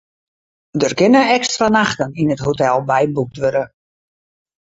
Der kinne ekstra nachten yn it hotel byboekt wurde.